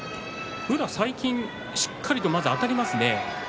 宇良、最近しっかりとまずあたりますね。